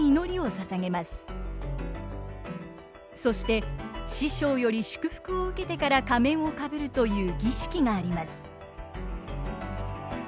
そして師匠より祝福を受けてから仮面をかぶるという儀式があります。